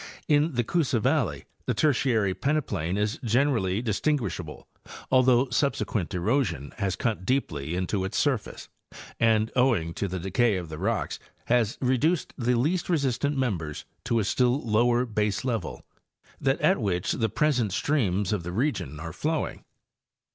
In the Coosa valley the Tertiary peneplain is gener ally distinguishable, although subsequent erosion has cut deeply into its surface and, owing to the decay of the rocks, has reduced the least resistant members to a still lower baselevel—that at which the present streams of the region are flowing.